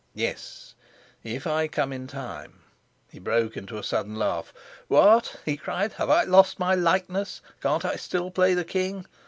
Yes, if I come in time " He broke into a sudden laugh. "What!" he cried, "have I lost my likeness? Can't I still play the king?